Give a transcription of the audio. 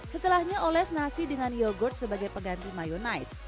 setelahnya oles nasi dengan yogurt sebagai peganti mayonnaise